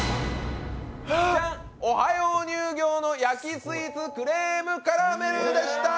オハヨー乳業の焼スイーツクレームカラメルでした。